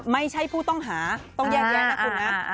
ไม่ใช่ผู้ต้องหาต้องแยกแยะนะคุณนะ